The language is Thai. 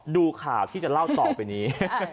ดูข่าวที่จะเล่าต่อไปนี้